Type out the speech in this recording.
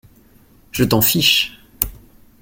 Je t’en fiche !